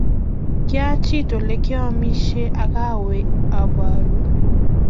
Kyachit olegiamishen agawe abaru.